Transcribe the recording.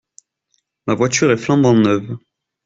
Ma voiture est flambant neuve.